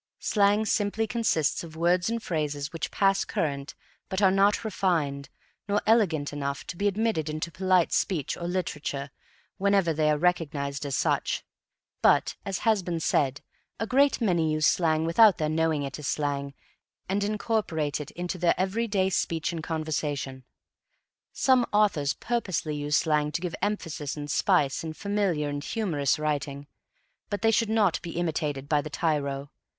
Slang simply consists of words and phrases which pass current but are not refined, nor elegant enough, to be admitted into polite speech or literature whenever they are recognized as such. But, as has been said, a great many use slang without their knowing it as slang and incorporate it into their everyday speech and conversation. Some authors purposely use slang to give emphasis and spice in familiar and humorous writing, but they should not be imitated by the tyro.